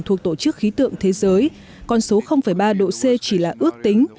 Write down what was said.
thuộc tổ chức khí tượng thế giới con số ba độ c chỉ là ước tính